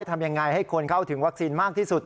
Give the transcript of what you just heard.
ทำยังไงให้คนเข้าถึงวัคซีนมากที่สุด